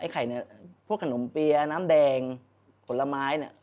ไข่เนี่ยพวกขนมเปียน้ำแดงผลไม้เนี่ย